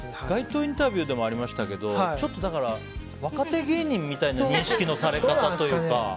街頭インタビューでもありましたけど、ちょっと若手芸人みたいな認識のされ方というか。